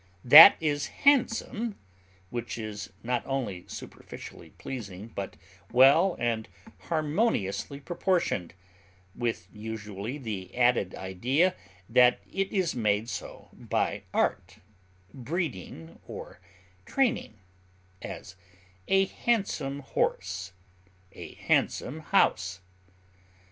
That is handsome which is not only superficially pleasing, but well and harmoniously proportioned, with usually the added idea that it is made so by art, breeding, or training; as, a handsome horse; a handsome house.